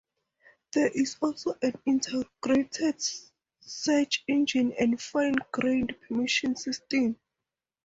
There is also an integrated search engine and a fine-grained permission system.